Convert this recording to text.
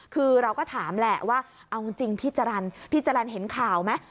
คือเราก็ถามแหละว่าเอาจริงพี่จรรย์พี่จรรย์เห็นข่าวไหม